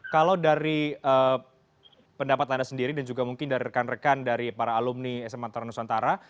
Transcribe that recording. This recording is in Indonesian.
kalau dari pendapat anda sendiri dan juga mungkin dari rekan rekan dari para alumni sma tara nusantara